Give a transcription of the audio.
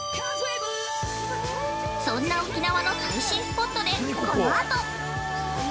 そんな沖縄の最新スポットでこのあと。